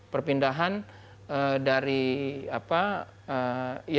perpindahan dari yang menurutnya